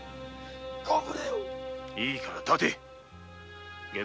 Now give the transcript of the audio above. いいから立て！